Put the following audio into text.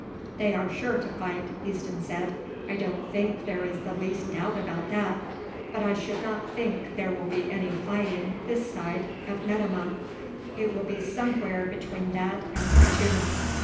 "They are sure to fight," Easton said. "I don't think there is the least doubt about that, but I should not think there will be any fighting this side of Metemmeh; it will be some where between that and Khartoum.